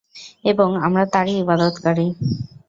এবং আমরা তাঁরই ইবাদতকারী।